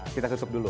kita tutup dulu